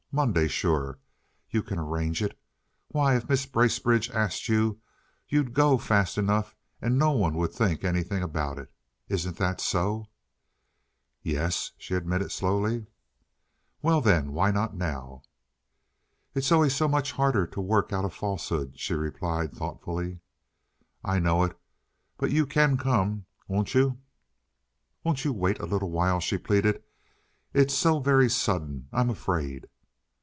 Monday sure. You can arrange it. Why, if Mrs. Bracebridge asked you you'd go fast enough, and no one would think anything about it. Isn't that so?" "Yes," she admitted slowly. "Well, then, why not now?" "It's always so much harder to work out a falsehood," she replied thoughtfully. "I know it, but you can come. Won't you?" "Won't you wait a little while?" she pleaded. "It's so very sudden. I'm afraid."